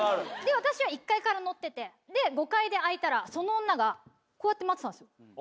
私は１階から乗ってて５階で開いたらその女がこうやって待ってたんですよ。